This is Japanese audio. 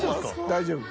大丈夫。